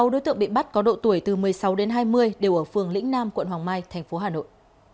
sáu đối tượng bị bắt có độ tuổi từ một mươi sáu đến hai mươi đều ở phường lĩnh nam quận hoàng mai thành phố hà nội